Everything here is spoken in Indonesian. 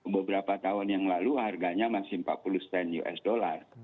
beberapa tahun yang lalu harganya masih empat puluh cent us dollar